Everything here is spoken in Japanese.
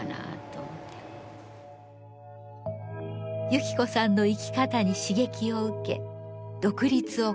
幸子さんの生き方に刺激を受け独立を決意。